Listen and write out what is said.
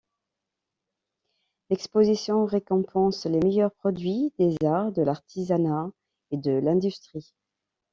L'Exposition récompense les meilleurs produits des arts, de l'artisanat et de l'industrie.